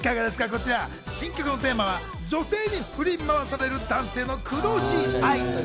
こちら、新曲のテーマは女性に振り回される、男性の狂おしい愛。